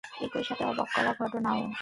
একই সাথে অবাক করা ঘটনাও!